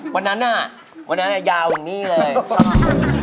วันนั้นวันนั้นยาวอย่างนี้เลยชอบ